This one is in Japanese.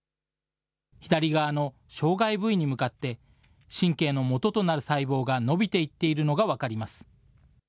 左側の障害部位に向かって、神経のもととなる細胞が伸びていっているのが分かります。